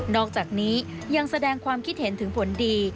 อกจากนี้ยังแสดงความคิดเห็นถึงผลดี